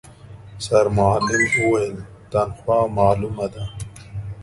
سرمعلم وويل، تنخوا مالومه ده.